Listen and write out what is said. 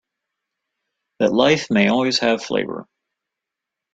That life may always have flavor.